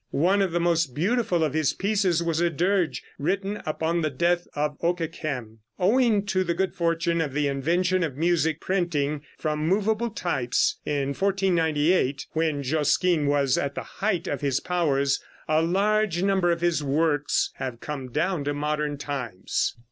One of the most beautiful of his pieces was a dirge written upon the death of Okeghem. Owing to the good fortune of the invention of music printing from movable types, in 1498, when Josquin was at the height of his powers, a large number of his works have come down to modern times.